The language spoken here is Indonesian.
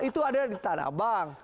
itu ada di tanah abang